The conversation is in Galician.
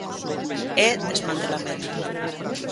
É desmantelamento.